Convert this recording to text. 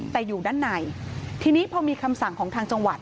แต่อยู่ด้านในทีนี้พอมีคำสั่งของทางจังหวัด